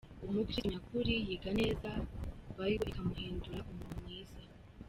Umukristu nyakuri, yiga neza Bible ikamuhindura umuntu mwiza.